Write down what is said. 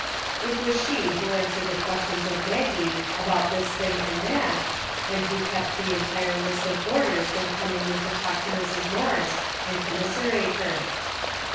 It was she who answered the questions of Maggie about this thing and that, and who kept the entire list of boarders from coming in to talk to Mrs. Morris and commiserate her.